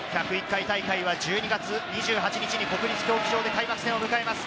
１０１回大会は１２月２８日に国立競技場で開幕戦を迎えます。